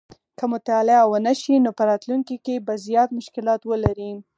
که مطالعه ونه شي نو په راتلونکي کې به زیات مشکلات ولري